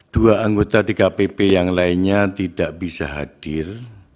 dua anggota dkpp yang lainnya tidak bisa hadir